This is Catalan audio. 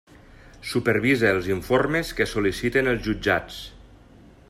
Supervisa els informes que sol·liciten els jutjats.